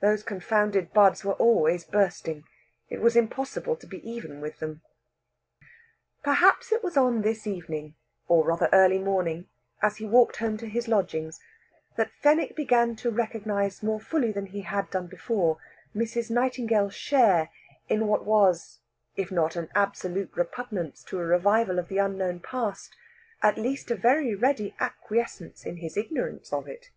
Those confounded buds were always bursting. It was impossible to be even with them. Perhaps it was on this evening, or rather early morning, as he walked home to his lodgings, that Fenwick began to recognise more fully than he had done before Mrs. Nightingale's share in what was, if not an absolute repugnance to a revival of the unknown past, at least a very ready acquiescence in his ignorance of it.